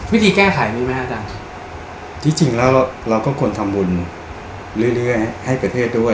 วิธีแก้ไขมีไหมอาจารย์ที่จริงแล้วเราต้องควรทำบุญเรื่อยให้ประเทศด้วย